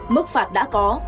mức phạt đã có